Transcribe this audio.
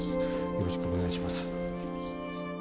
よろしくお願いします。